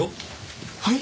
はい？